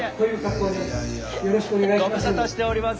よろしくお願いします。